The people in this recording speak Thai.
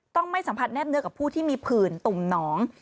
ต้องไม่สัมผัสแนบเนื้อกับผู้ที่มีผื่นตุ่มหนอง